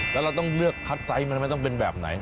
แล้วเราต้องเลือกคัดไซส์มันไม่ต้องเป็นแบบไหน